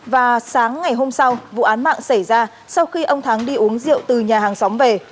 và sáng ngày hôm sau vụ án mạng xảy ra sau khi ông thắng đi uống rượu từ nhà hàng xóm về